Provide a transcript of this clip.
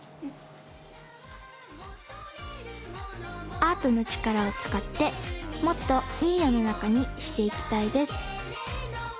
アートのちからをつかってもっといいよのなかにしていきたいです